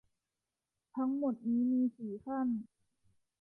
ทั้งหมดนี้มีสี่ขั้น